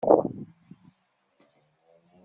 Seg melmi ay tellam da?